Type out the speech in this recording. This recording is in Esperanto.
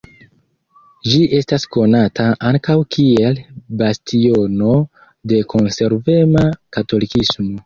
Ĝi estas konata ankaŭ kiel bastiono de konservema katolikismo.